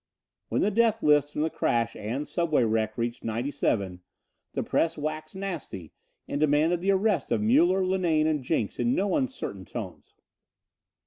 When the death list from the crash and subway wreck reached 97, the press waxed nasty and demanded the arrest of Muller, Linane and Jenks in no uncertain tones.